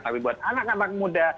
tapi buat anak anak muda